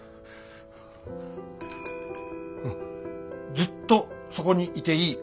ずっとそこにいていい。